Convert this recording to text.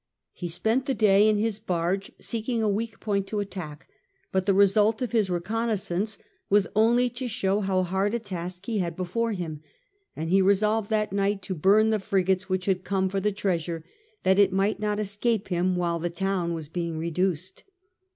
He spent the day in his barge seeking a weak point to attack, but the result of his reconnaissance was only to show how hard a task he had before him, and he resolved that night to bum the frigates which had come for the treasure, that it might not escape him while the town was being reduced.